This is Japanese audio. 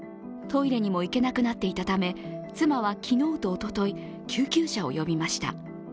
トレイに行けなくなっていたため、妻は昨日とおととい、救急車を呼びました。